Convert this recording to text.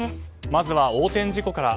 まずは横転事故から。